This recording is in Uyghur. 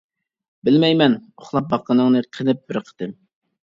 بىلمەيمەن ئۇخلاپ باققىنىڭنى قېنىپ بىر قېتىم.